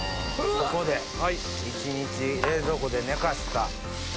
ここで一日冷蔵庫で寝かした。